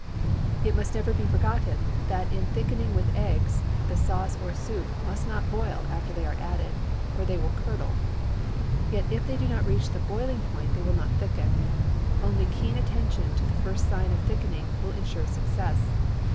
It must never be forgotten that in thickening with eggs the sauce or soup must not boil after they are added, or they will curdle. Yet if they do not reach the boiling point they will not thicken. Only keen attention to the first sign of thickening will insure success.